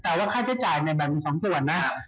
แต่ว่าค่าใช้จ่ายในแบบมี๒ส่วนนะครับ